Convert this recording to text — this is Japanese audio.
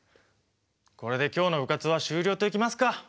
これで今日の部活は終了といきますか！